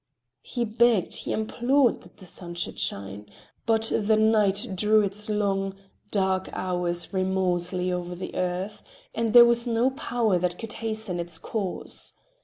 He begged, he implored that the sun should shine, but the night drew its long, dark hours remorselessly over the earth, and there was no power that could hasten its course.